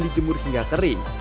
dijemur hingga kering